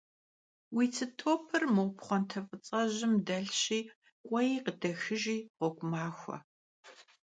Vui tsı topır mo pxhuante f'ıts'ejım delhşi k'uei khıdexıjji, ğuegu maxue.